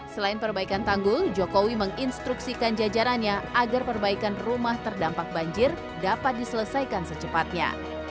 selain perbaikan tanggul jokowi menginstruksikan jajarannya agar perbaikan rumah terdampak banjir dapat diselesaikan secepatnya